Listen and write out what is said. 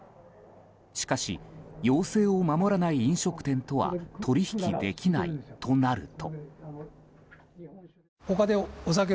しかし、要請を守らない飲食店とは取引できないとなると。